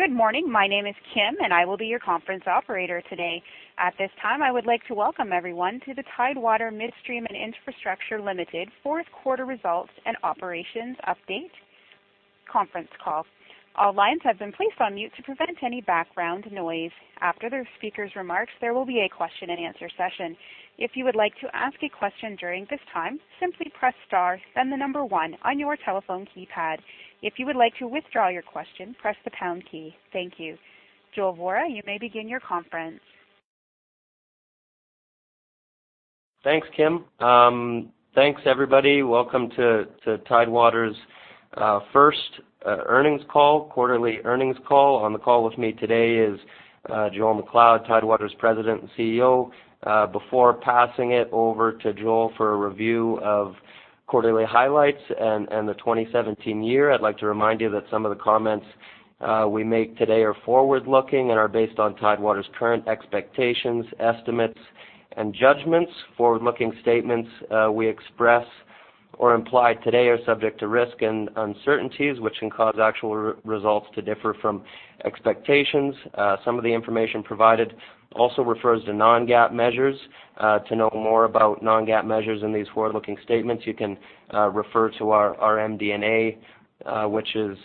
Good morning. My name is Kim, and I will be your conference operator today. At this time, I would like to welcome everyone to the Tidewater Midstream and Infrastructure Ltd. fourth quarter results and operations update conference call. All lines have been placed on mute to prevent any background noise. After the speakers' remarks, there will be a question and answer session. If you would like to ask a question during this time, simply press star, then the number one on your telephone keypad. If you would like to withdraw your question, press the pound key. Thank you. Joel Vorra, you may begin your conference. Thanks, Kim. Thanks, everybody. Welcome to Tidewater's first quarterly earnings call. On the call with me today is Joel MacLeod, Tidewater's President and CEO. Before passing it over to Joel for a review of quarterly highlights and the 2017 year, I'd like to remind you that some of the comments we make today are forward-looking and are based on Tidewater's current expectations, estimates, and judgments. Forward-looking statements we express or imply today are subject to risk and uncertainties, which can cause actual results to differ from expectations. Some of the information provided also refers to non-GAAP measures. To know more about non-GAAP measures in these forward-looking statements, you can refer to our MD&A which is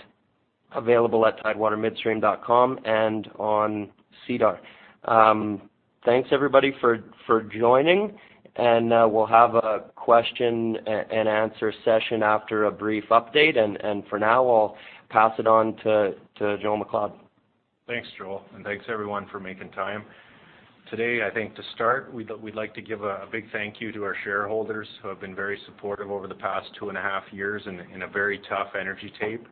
available at tidewatermidstream.com and on SEDAR. Thanks everybody for joining. We'll have a question and answer session after a brief update. For now, I'll pass it on to Joel MacLeod. Thanks, Joel, and thanks everyone for making time. Today, I think to start, we'd like to give a big thank you to our shareholders, who have been very supportive over the past 2.5 years in a very tough energy tape.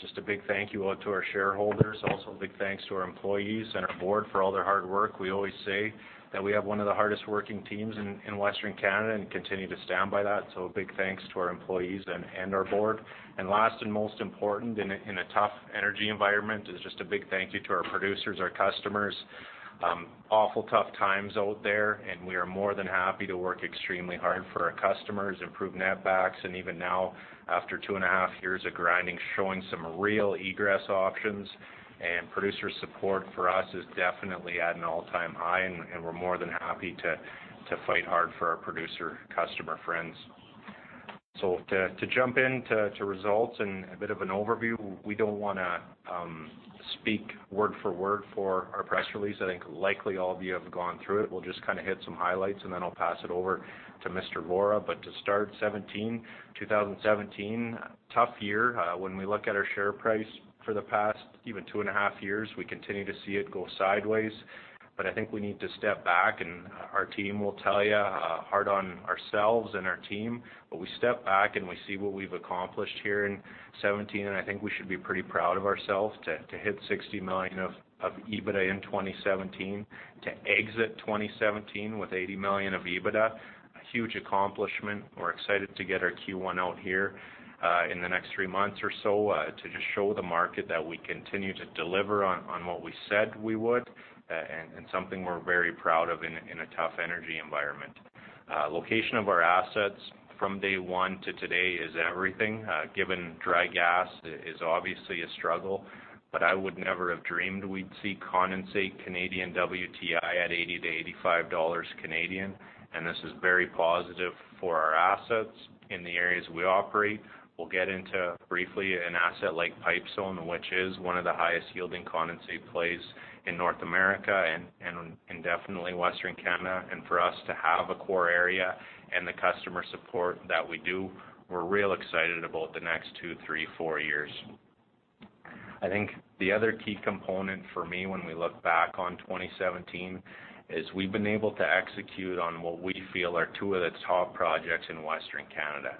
Just a big thank you out to our shareholders. Also, a big thanks to our employees and our board for all their hard work. We always say that we have one of the hardest working teams in Western Canada and continue to stand by that. A big thanks to our employees and our board. Last and most important in a tough energy environment is just a big thank you to our producers, our customers. Awful tough times out there, and we are more than happy to work extremely hard for our customers, improve netbacks, and even now, after 2.5 years of grinding, showing some real egress options. Producer support for us is definitely at an all-time high, and we're more than happy to fight hard for our producer customer friends. To jump into results and a bit of an overview, we don't want to speak word for word for our press release. I think likely all of you have gone through it. We'll just hit some highlights, and then I'll pass it over to Mr. Vorra. To start 2017, tough year. When we look at our share price for the past even 2.5 years, we continue to see it go sideways. I think we need to step back, and our team will tell you, hard on ourselves and our team, but we step back, and we see what we've accomplished here in 2017, and I think we should be pretty proud of ourselves to hit 60 million of EBITDA in 2017, to exit 2017 with 80 million of EBITDA, a huge accomplishment. We're excited to get our Q1 out here in the next three months or so to just show the market that we continue to deliver on what we said we would, and something we're very proud of in a tough energy environment. Location of our assets from day one to today is everything. Given dry gas is obviously a struggle, but I would never have dreamed we'd see condensate Canadian WTI at 80-85 dollars, and this is very positive for our assets in the areas we operate. We'll get into briefly an asset like Pipestone, which is one of the highest yielding condensate plays in North America and definitely Western Canada. For us to have a core area and the customer support that we do, we're real excited about the next two, three, four years. I think the other key component for me when we look back on 2017 is we've been able to execute on what we feel are two of the top projects in Western Canada.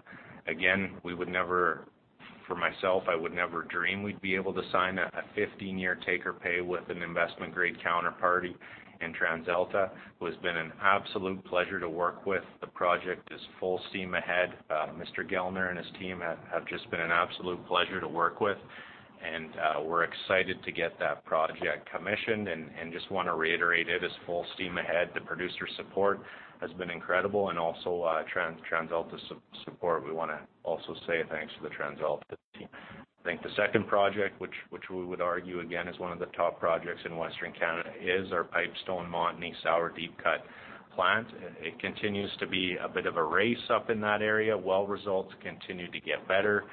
Again, for myself, I would never dream we'd be able to sign a 15-year take-or-pay with an investment-grade counterparty in TransAlta, who has been an absolute pleasure to work with. The project is full steam ahead. Mr. Gellner and his team have just been an absolute pleasure to work with. We're excited to get that project commissioned and just want to reiterate it is full steam ahead. The producer support has been incredible, and also TransAlta's support. We want to also say thanks to the TransAlta team. I think the second project, which we would argue again is one of the top projects in Western Canada, is our Pipestone Montney sour deep cut plant. It continues to be a bit of a race up in that area. Well results continue to get better.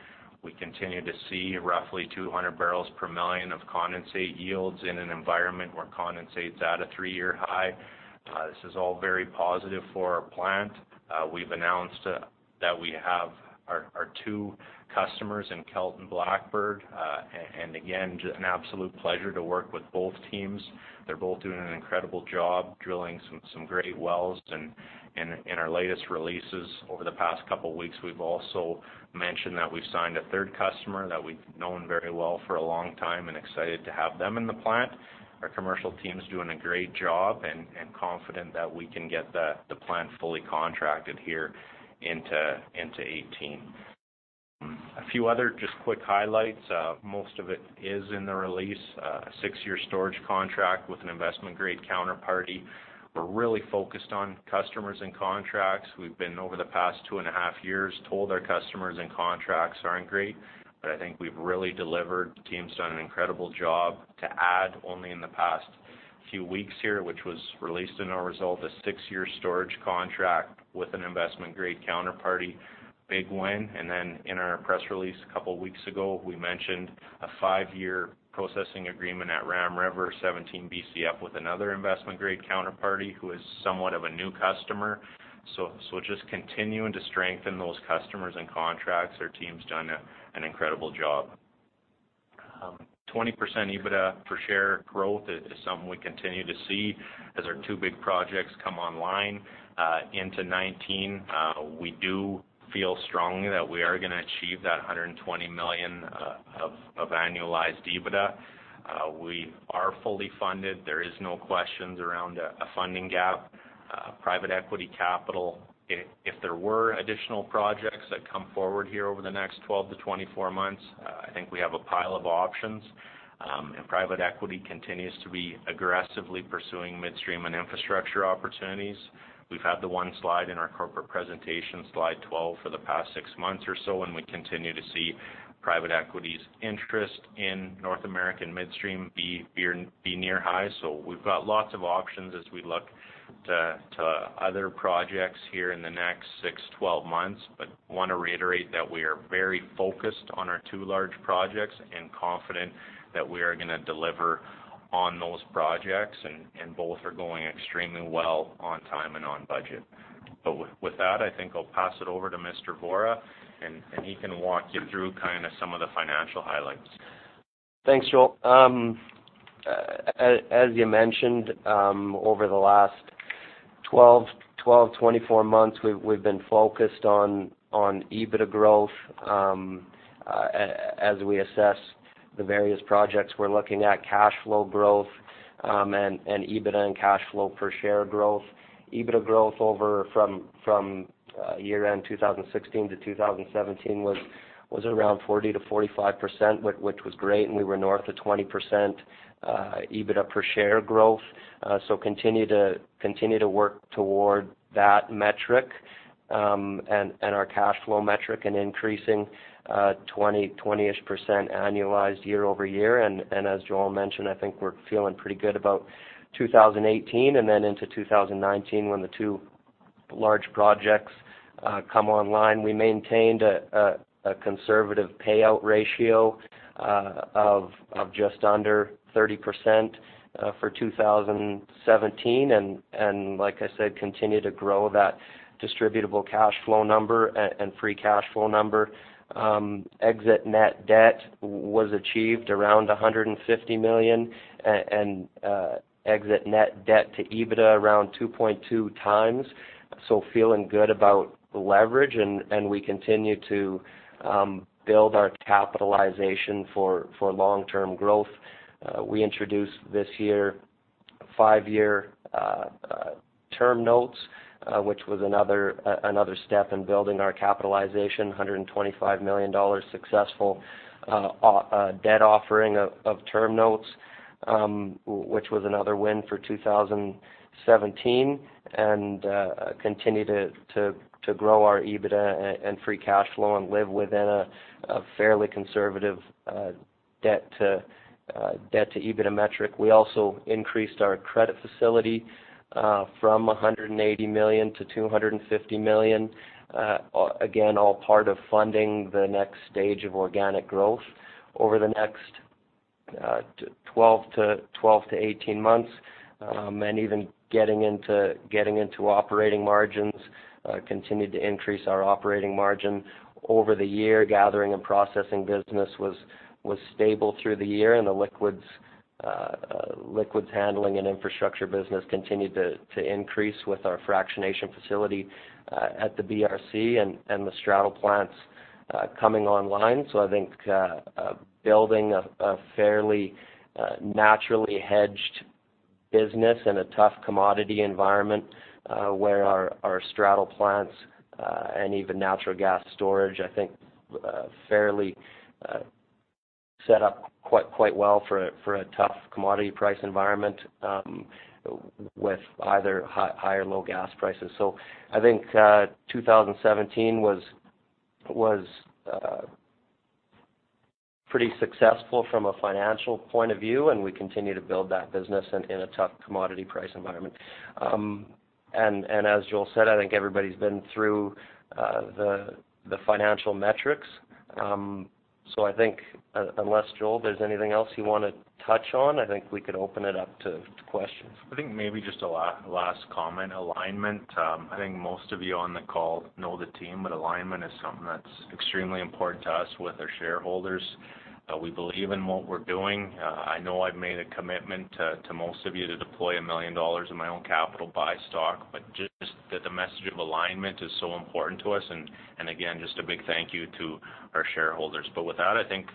We continue to see roughly 200 MMbbl of condensate yields in an environment where condensate's at a three-year high. This is all very positive for our plant. We've announced that we have our two customers in Kelt and Blackbird. Again, just an absolute pleasure to work with both teams. They're both doing an incredible job drilling some great wells. In our latest releases over the past couple of weeks, we've also mentioned that we've signed a third customer that we've known very well for a long time and excited to have them in the plant. Our commercial team's doing a great job and confident that we can get the plant fully contracted here into 2018. A few other just quick highlights. Most of it is in the release. A six-year storage contract with an investment-grade counterparty. We're really focused on customers and contracts. We've been, over the past 2.5 years, told our customers and contracts aren't great, but I think we've really delivered. The team's done an incredible job to add only in the past few weeks here, which was released in our result, a six-year storage contract with an investment-grade counterparty, big win. In our press release a couple of weeks ago, we mentioned a five-year processing agreement at Ram River, 17 Bcf with another investment-grade counterparty who is somewhat of a new customer. Just continuing to strengthen those customers and contracts. Our team's done an incredible job. 20% EBITDA per share growth is something we continue to see as our two big projects come online. Into 2019, we do feel strongly that we are going to achieve that 120 million of annualized EBITDA. We are fully funded. There is no questions around a funding gap. Private equity capital. If there were additional projects that come forward here over the next 12-24 months, I think we have a pile of options. Private equity continues to be aggressively pursuing midstream and infrastructure opportunities. We've had the one slide in our corporate presentation, slide 12, for the past 6 months or so, and we continue to see private equity's interest in North American midstream be near high. We've got lots of options as we look to other projects here in the next 6-12 months. I want to reiterate that we are very focused on our two large projects and confident that we are going to deliver on those projects, and both are going extremely well, on time and on budget. With that, I think I'll pass it over to Mr. Vorra, and he can walk you through kind of some of the financial highlights. Thanks, Joel. As you mentioned, over the last 12, 24 months, we've been focused on EBITDA growth. As we assess the various projects, we're looking at cash flow growth, and EBITDA and cash flow per share growth. EBITDA growth from year-end 2016 to 2017 was around 40%-45%, which was great, and we were north of 20% EBITDA per share growth. Continue to work toward that metric and our cash flow metric and increasing 20-ish% annualized year-over-year. As Joel mentioned, I think we're feeling pretty good about 2018 and then into 2019 when the two large projects come online. We maintained a conservative payout ratio of just under 30% for 2017, and like I said, continue to grow that distributable cash flow number and free cash flow number. Exit net debt was achieved around 150 million and exit net debt to EBITDA around 2.2x. Feeling good about the leverage, and we continue to build our capitalization for long-term growth. We introduced this year five-year term notes, which was another step in building our capitalization, 125 million dollars successful debt offering of term notes, which was another win for 2017, and continue to grow our EBITDA and free cash flow and live within a fairly conservative debt to EBITDA metric. We also increased our credit facility from 180 million-250 million. Again, all part of funding the next stage of organic growth over the next 12 to 18 months. Even getting into operating margins, continued to increase our operating margin. Over the year, gathering and processing business was stable through the year, and the liquids handling and infrastructure business continued to increase with our fractionation facility at the BRC and the straddle plants coming online. I think building a fairly naturally hedged business in a tough commodity environment where our straddle plants and even natural gas storage, I think, fairly set up quite well for a tough commodity price environment with either high or low gas prices. I think 2017 was pretty successful from a financial point of view, and we continue to build that business in a tough commodity price environment. As Joel said, I think everybody's been through the financial metrics. I think unless, Joel, there's anything else you want to touch on, I think we could open it up to questions. I think maybe just a last comment, alignment. I think most of you on the call know the team, but alignment is something that's extremely important to us with our shareholders. We believe in what we're doing. I know I've made a commitment to most of you to deploy 1 million dollars of my own capital, buy stock, but just that the message of alignment is so important to us. Again, just a big thank you to our shareholders. With that, I think,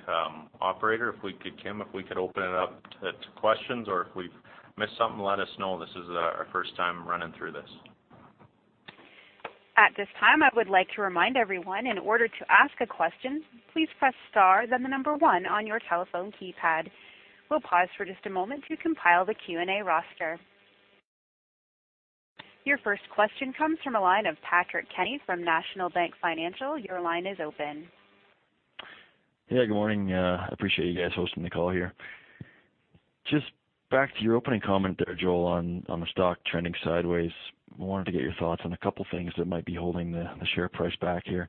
Operator, Kim, if we could open it up to questions or if we've missed something, let us know. This is our first time running through this. At this time, I would like to remind everyone, in order to ask a question, please press star then the number one on your telephone keypad. We'll pause for just a moment to compile the Q&A roster. Your first question comes from the line of Patrick Kenny from National Bank Financial. Your line is open. Yeah, good morning. I appreciate you guys hosting the call here. Just back to your opening comment there, Joel, on the stock trending sideways, wanted to get your thoughts on a couple things that might be holding the share price back here.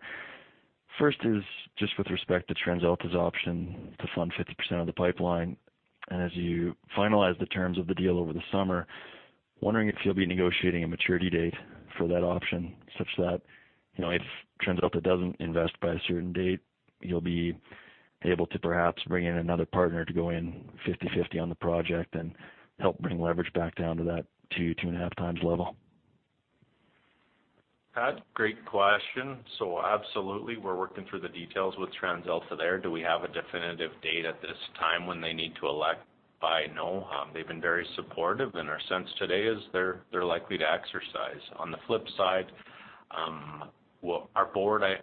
First is just with respect to TransAlta's option to fund 50% of the pipeline, and as you finalize the terms of the deal over the summer, wondering if you'll be negotiating a maturity date for that option such that, if TransAlta doesn't invest by a certain date, you'll be able to perhaps bring in another partner to go in 50/50 on the project and help bring leverage back down to that 2x to 2.5x level. Pat, great question. Absolutely, we're working through the details with TransAlta there. Do we have a definitive date at this time when they need to elect by? No. They've been very supportive, and our sense today is they're likely to exercise. On the flip side, our board, I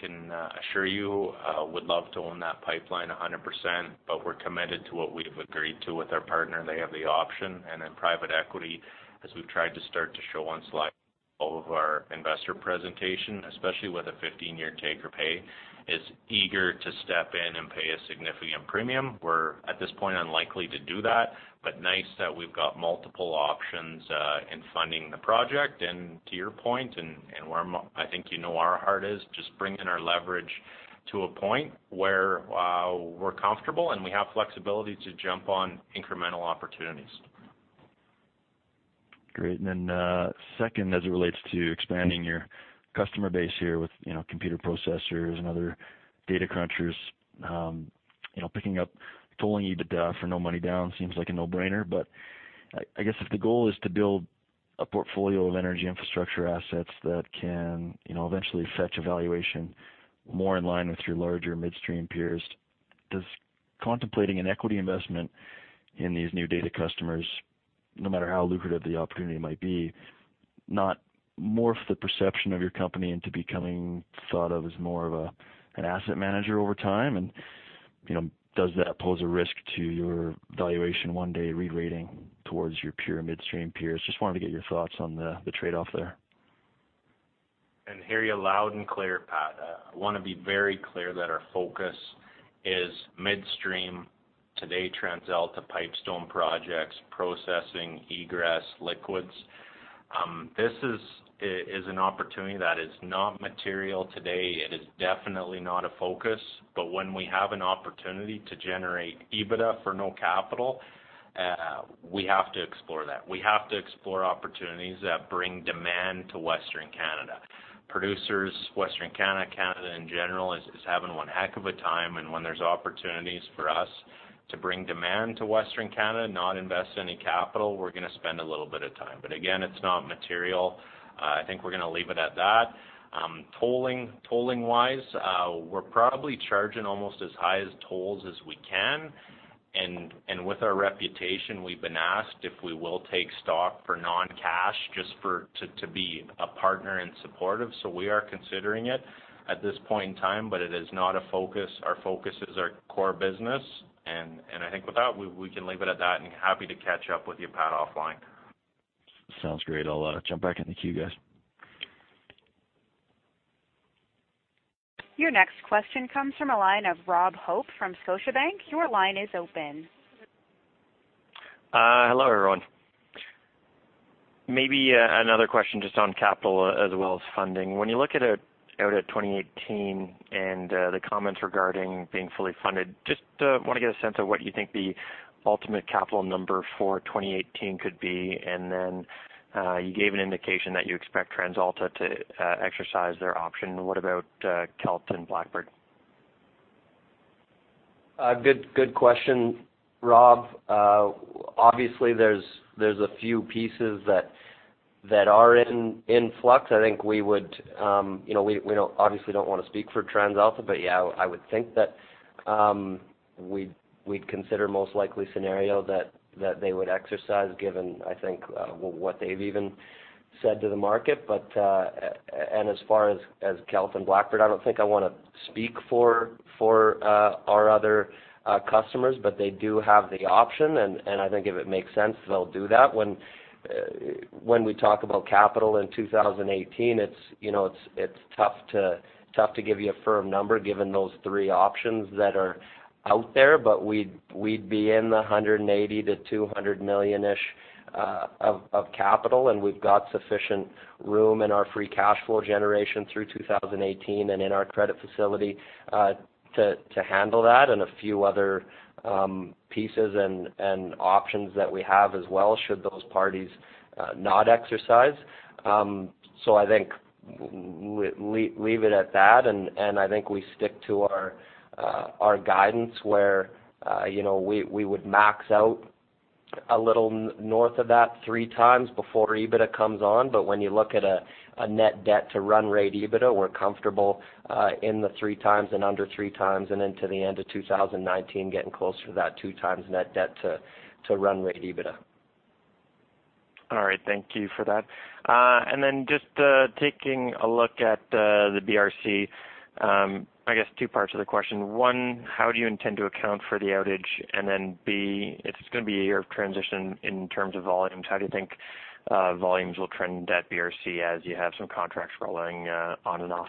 can assure you, would love to own that pipeline 100%, but we're committed to what we've agreed to with our partner. They have the option. Private equity, as we've tried to start to show on slide of our investor presentation, especially with a 15-year take-or-pay, is eager to step in and pay a significant premium. We're, at this point, unlikely to do that, but nice that we've got multiple options in funding the project. To your point, and where I think you know where our heart is, just bring in our leverage to a point where we're comfortable, and we have flexibility to jump on incremental opportunities. Great, and then, second, as it relates to expanding your customer base here with computer processors and other data crunchers, picking up tolling EBITDA for no money down seems like a no-brainer. I guess if the goal is to build a portfolio of energy infrastructure assets that can eventually fetch a valuation more in line with your larger midstream peers, does contemplating an equity investment in these new data customers, no matter how lucrative the opportunity might be, not morph the perception of your company into becoming thought of as more of an asset manager over time and, does that pose a risk to your valuation one day re-rating towards your pure midstream peers? Just wanted to get your thoughts on the trade-off there. Hear you loud and clear, Pat. I want to be very clear that our focus is midstream. Today, TransAlta Pipestone projects, processing egress liquids. This is an opportunity that is not material today. It is definitely not a focus, but when we have an opportunity to generate EBITDA for no capital, we have to explore that. We have to explore opportunities that bring demand to Western Canada. Producers, Western Canada in general, is having one heck of a time, and when there's opportunities for us to bring demand to Western Canada, not invest any capital, we're going to spend a little bit of time. Again, it's not material. I think we're going to leave it at that. Tolling-wise, we're probably charging almost as high as tolls as we can, and with our reputation, we've been asked if we will take stock for non-cash just to be a partner and supportive. We are considering it at this point in time, but it is not a focus. Our focus is our core business. I think with that, we can leave it at that and happy to catch up with you, Pat, offline. Sounds great. I'll jump back in the queue, guys. Your next question comes from a line of Rob Hope from Scotiabank. Your line is open. Hello, everyone. Maybe another question just on capital as well as funding. When you look out at 2018 and the comments regarding being fully funded, just want to get a sense of what you think the ultimate capital number for 2018 could be. You gave an indication that you expect TransAlta to exercise their option. What about Kelt and Blackbird? Good question, Rob. Obviously, there's a few pieces that are in flux. We obviously don't want to speak for TransAlta, but yeah, I would think that we'd consider most likely scenario that they would exercise given, I think, what they've even said to the market. As far as Kelt and Blackbird, I don't think I want to speak for our other customers, but they do have the option, and I think if it makes sense, they'll do that. When we talk about capital in 2018, it's tough to give you a firm number given those three options that are out there, but we'd be in the 180 million-200 million-ish of capital, and we've got sufficient room in our free cash flow generation through 2018 and in our credit facility to handle that and a few other pieces and options that we have as well should those parties not exercise. I think leave it at that, and I think we stick to our guidance where we would max out a little north of that 3x before EBITDA comes on. When you look at a net debt to run rate EBITDA, we're comfortable in the 3x and under 3x, and then to the end of 2019, getting closer to that 2x net debt to run rate EBITDA. All right. Thank you for that. Just taking a look at the BRC, I guess two parts of the question. One, how do you intend to account for the outage? B, it's going to be a year of transition in terms of volumes. How do you think volumes will trend at BRC as you have some contracts rolling on and off?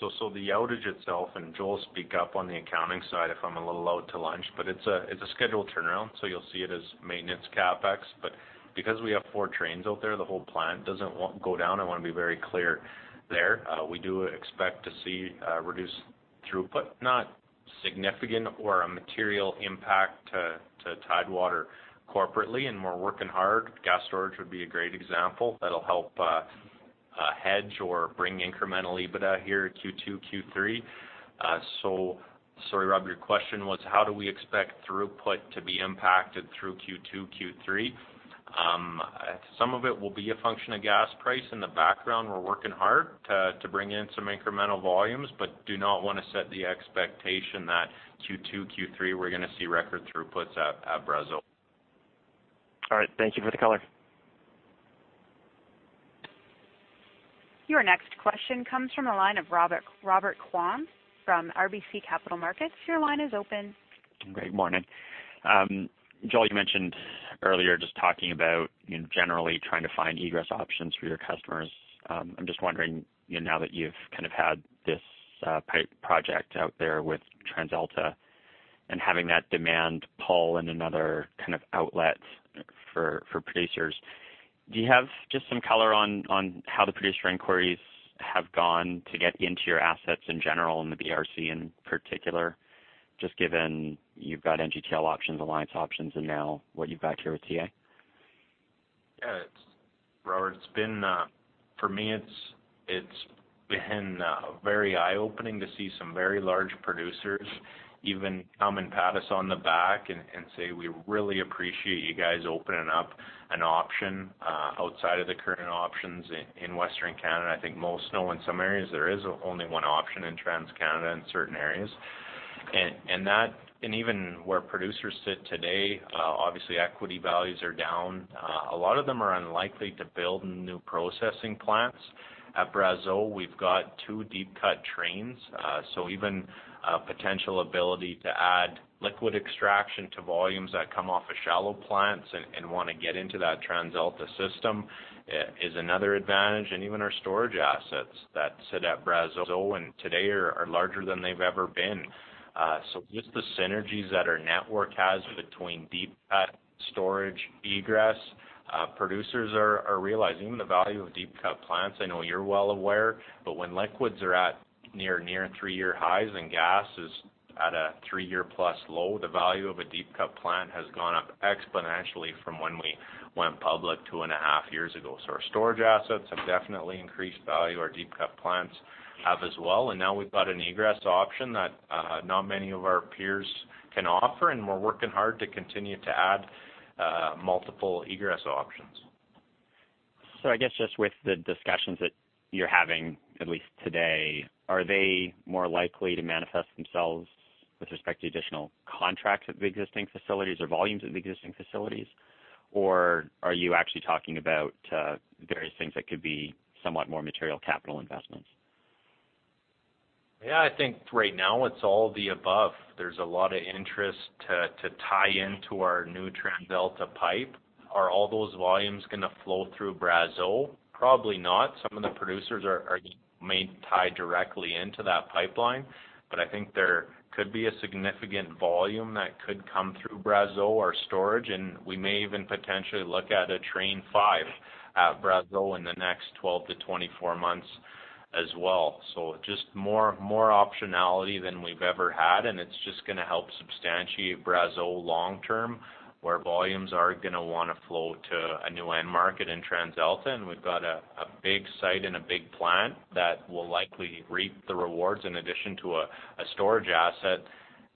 The outage itself, and Joel will speak up on the accounting side if I'm a little out to lunch, but it's a scheduled turnaround, so you'll see it as maintenance CapEx. Because we have four trains out there, the whole plant doesn't go down. I want to be very clear there. We do expect to see reduced throughput, not significant or a material impact to Tidewater corporately, and we're working hard. Gas storage would be a great example that'll help hedge or bring incremental EBITDA here Q2, Q3. Sorry, Rob, your question was how do we expect throughput to be impacted through Q2, Q3? Some of it will be a function of gas price. In the background, we're working hard to bring in some incremental volumes, but do not want to set the expectation that Q2, Q3, we're going to see record throughputs at Brazeau. All right. Thank you for the color. Your next question comes from the line of Robert Kwan from RBC Capital Markets. Your line is open. Good morning. Joel, you mentioned earlier just talking about generally trying to find egress options for your customers. I'm just wondering, now that you've kind of had this pipe project out there with TransAlta and having that demand pull in another kind of outlet for producers, do you have just some color on how the producer inquiries have gone to get into your assets in general in the BRC in particular? Just given you've got NGTL options, Alliance options, and now what you've got here with TA. Yeah. Robert, for me, it's been very eye-opening to see some very large producers even come and pat us on the back and say, "We really appreciate you guys opening up an option outside of the current options in Western Canada." I think most know in some areas there is only one option in TransCanada in certain areas. Even where producers sit today, obviously equity values are down. A lot of them are unlikely to build new processing plants. At Brazeau, we've got two deep cut trains, so even a potential ability to add liquid extraction to volumes that come off of shallow plants and want to get into that TransAlta system is another advantage. Even our storage assets that sit at Brazeau and today are larger than they've ever been. Just the synergies that our network has between deep cut, storage, egress. Producers are realizing the value of deep cut plants. I know you're well aware, but when liquids are at near three-year highs and gas is at a three-year-plus low, the value of a deep cut plant has gone up exponentially from when we went public two and a half years ago. Our storage assets have definitely increased value. Our deep cut plants have as well. Now we've got an egress option that not many of our peers can offer, and we're working hard to continue to add multiple egress options. I guess just with the discussions that you're having, at least today, are they more likely to manifest themselves with respect to additional contracts at the existing facilities or volumes at the existing facilities? Are you actually talking about various things that could be somewhat more material capital investments? Yeah, I think right now it's all of the above. There's a lot of interest to tie into our new TransAlta pipe. Are all those volumes going to flow through Brazeau? Probably not. Some of the producers may tie directly into that pipeline. I think there could be a significant volume that could come through Brazeau or storage, and we may even potentially look at a train five at Brazeau in the next 12-24 months as well. Just more optionality than we've ever had, and it's just going to help substantiate Brazeau long term, where volumes are going to want to flow to a new end market in TransAlta, and we've got a big site and a big plant that will likely reap the rewards in addition to a storage asset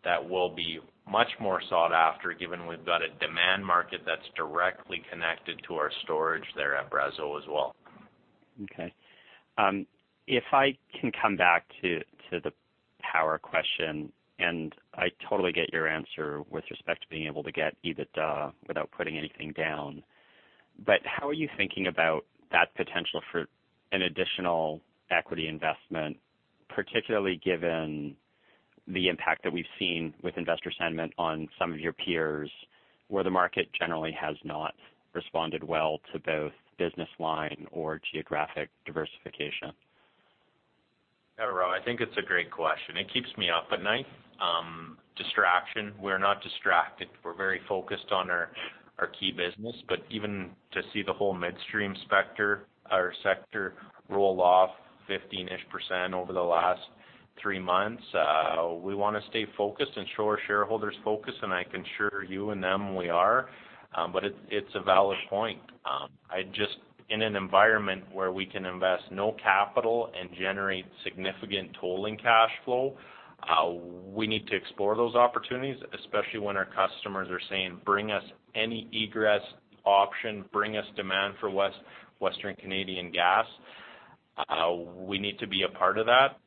that will be much more sought after, given we've got a demand market that's directly connected to our storage there at Brazeau as well. Okay. If I can come back to the power question, and I totally get your answer with respect to being able to get EBITDA without putting anything down. How are you thinking about that potential for an additional equity investment, particularly given the impact that we've seen with investor sentiment on some of your peers, where the market generally has not responded well to both business line or geographic diversification? Yeah, Rob, I think it's a great question. It keeps me up at night. Distraction. We're not distracted. We're very focused on our key business. Even to see the whole midstream sector roll off 15-ish% over the last three months, we want to stay focused, ensure our shareholders focus, and I can assure you and them we are. It's a valid point. In an environment where we can invest no capital and generate significant tolling cash flow. We need to explore those opportunities, especially when our customers are saying, "Bring us any egress option, bring us demand for Western Canadian gas." We need to be a part of that.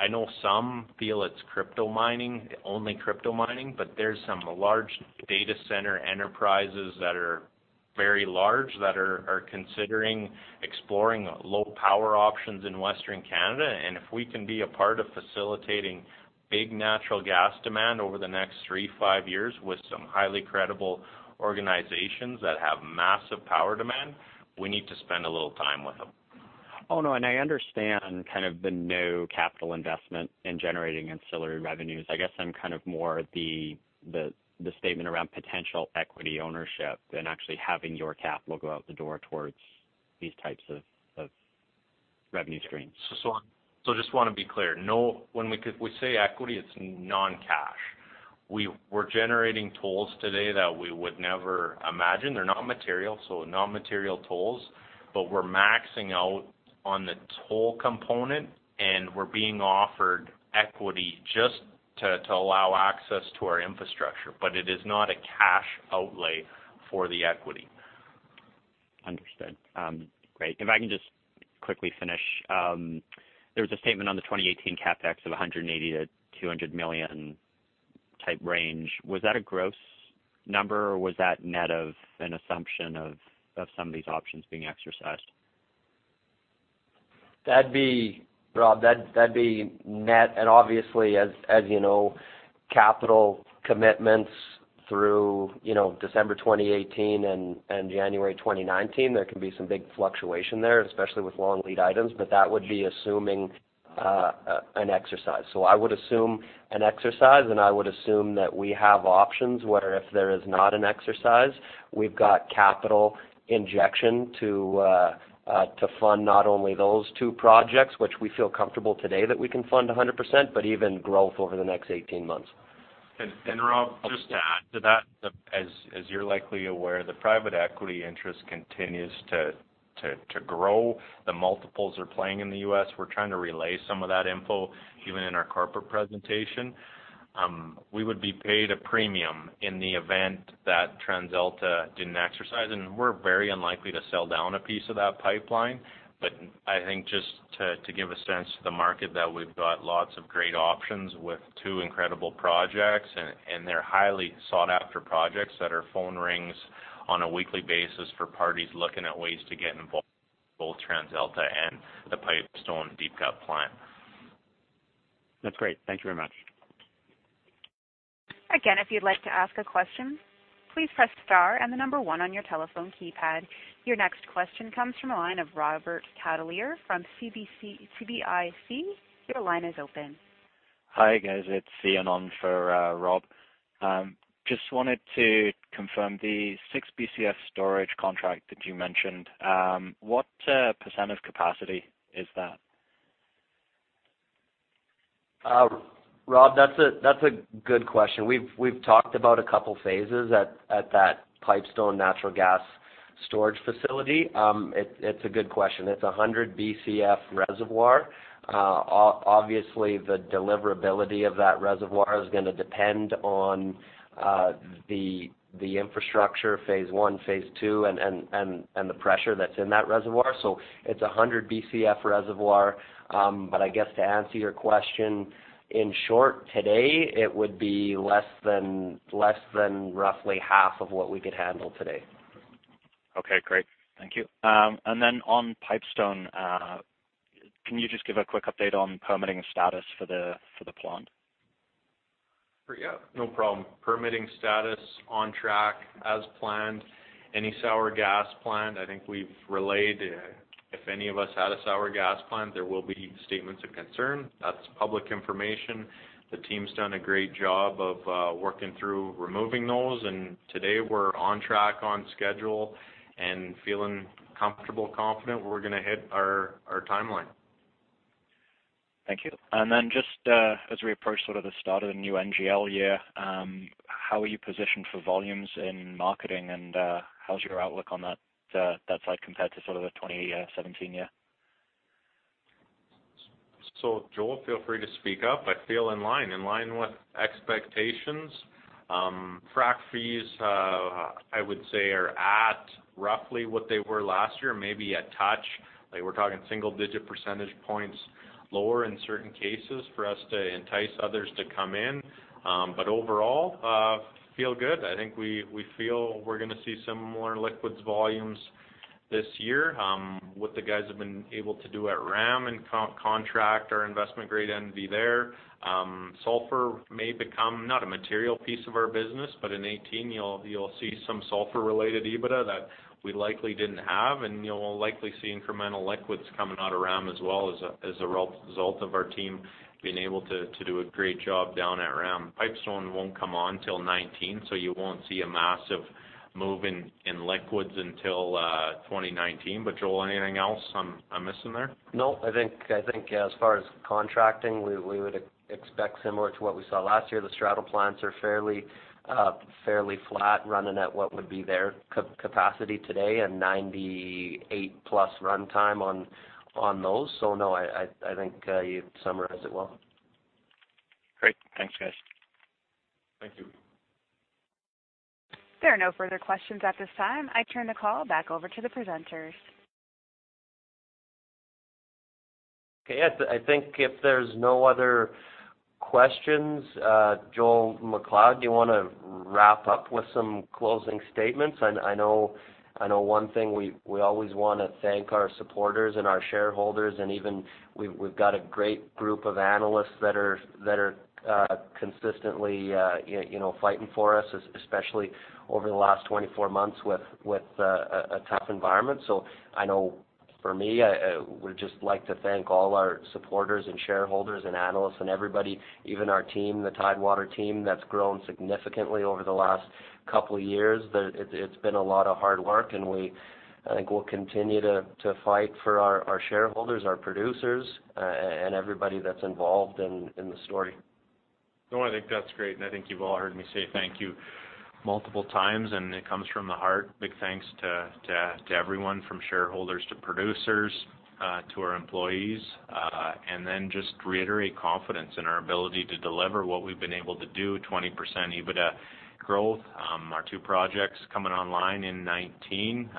I know some feel it's crypto mining, only crypto mining, but there's some large data center enterprises that are very large that are considering exploring low power options in Western Canada. If we can be a part of facilitating big natural gas demand over the next three-five years with some highly credible organizations that have massive power demand, we need to spend a little time with them. Oh, no. I understand kind of the no capital investment in generating ancillary revenues. I guess I'm kind of more the statement around potential equity ownership than actually having your capital go out the door towards these types of revenue streams. Just want to be clear. When we say equity, it's non-cash. We're generating tolls today that we would never imagine. They're not material, so non-material tolls, but we're maxing out on the toll component, and we're being offered equity just to allow access to our infrastructure. It is not a cash outlay for the equity. Understood. Great. If I can just quickly finish. There was a statement on the 2018 CapEx of 180 million-200 million type range. Was that a gross number, or was that net of an assumption of some of these options being exercised? That'd be net. Obviously, as you know, capital commitments through December 2018 and January 2019, there can be some big fluctuation there, especially with long lead items. That would be assuming an exercise. I would assume an exercise, and I would assume that we have options where if there is not an exercise, we've got capital injection to fund not only those two projects, which we feel comfortable today that we can fund 100%, but even growth over the next 18 months. Rob, just to add to that, as you're likely aware, the private equity interest continues to grow. The multiples are playing in the U.S. We're trying to relay some of that info even in our corporate presentation. We would be paid a premium in the event that TransAlta didn't exercise, and we're very unlikely to sell down a piece of that pipeline. I think just to give a sense to the market that we've got lots of great options with two incredible projects, and they're highly sought-after projects that our phone rings on a weekly basis for parties looking at ways to get involved, both TransAlta and the Pipestone deep cut plant. That's great. Thank you very much. Your next question comes from the line of Robert Catellier from CIBC. Your line is open. Hi, guys. It's Ian on for Rob. Just wanted to confirm the six BCF storage contract that you mentioned. What percent of capacity is that? Rob, that's a good question. We've talked about a couple phases at that Pipestone natural gas storage facility. It's a good question. It's 100 BCF reservoir. Obviously, the deliverability of that reservoir is going to depend on the infrastructure, phase one, phase two, and the pressure that's in that reservoir. It's 100 BCF reservoir, but I guess to answer your question, in short, today, it would be less than roughly half of what we could handle today. Okay, great. Thank you. On Pipestone, can you just give a quick update on permitting status for the plant? Sure, yeah. No problem. Permitting status on track as planned. Any sour gas plant, I think we've relayed, if any of us had a sour gas plant, there will be statements of concern. That's public information. The team's done a great job of working through removing those. Today we're on track, on schedule, and feeling comfortable, confident we're going to hit our timeline. Thank you. Just as we approach sort of the start of the new NGL year, how are you positioned for volumes in marketing and how's your outlook on that side compared to sort of the 2017 year? Joel, feel free to speak up. I feel in line with expectations. Frac fees, I would say, are at roughly what they were last year, maybe a touch. We're talking single-digit percentage points lower in certain cases for us to entice others to come in. Overall, feel good. I think we feel we're going to see similar liquids volumes this year. What the guys have been able to do at Ram and contract our investment-grade entity there. Sulfur may become, not a material piece of our business, but in 2018, you'll see some sulfur-related EBITDA that we likely didn't have, and you'll likely see incremental liquids coming out of Ram as well as a result of our team being able to do a great job down at Ram. Pipestone won't come on till 2019, so you won't see a massive move in liquids until 2019. Joel, anything else I'm missing there? No, I think as far as contracting, we would expect similar to what we saw last year. The straddle plants are fairly flat, running at what would be their capacity today and 98+ runtime on those. No, I think you summarized it well. Great. Thanks, guys. Thank you. There are no further questions at this time. I turn the call back over to the presenters. Okay. I think if there's no other questions, Joel MacLeod, do you want to wrap up with some closing statements? I know one thing, we always want to thank our supporters and our shareholders, and even we've got a great group of analysts that are consistently fighting for us, especially over the last 24 months with a tough environment. I know for me, I would just like to thank all our supporters and shareholders and analysts and everybody, even our team, the Tidewater team, that's grown significantly over the last couple of years. It's been a lot of hard work, and I think we'll continue to fight for our shareholders, our producers, and everybody that's involved in the story. No, I think that's great. I think you've all heard me say thank you multiple times, and it comes from the heart. Big thanks to everyone, from shareholders to producers, to our employees. Then just reiterate confidence in our ability to deliver what we've been able to do, 20% EBITDA growth. Our two projects coming online in 2019,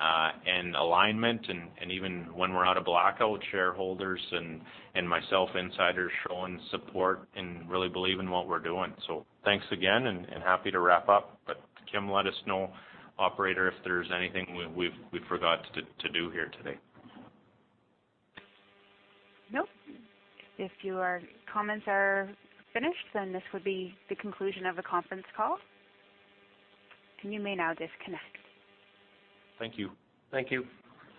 and alignment, and even when we're out of blackout, shareholders and myself, insiders showing support and really believe in what we're doing. Thanks again, and happy to wrap up. Kim, let us know, operator, if there's anything we forgot to do here today. Nope. If your comments are finished, then this would be the conclusion of the conference call. You may now disconnect. Thank you. Thank you.